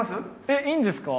えっいいんですか？